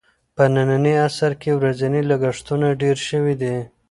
په ننني عصر کې ورځني لګښتونه ډېر شوي دي.